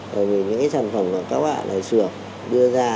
bởi vì những sản phẩm mà các bạn ở xưởng đưa ra